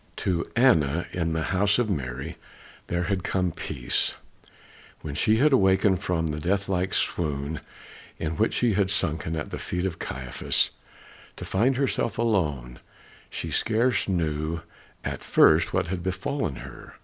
To Anna, in the house of Mary, there had come peace. When she had awakened from the death like swoon in which she had sunken at the feet of Caiaphas, to find herself alone, she scarce knew at first what had befallen her.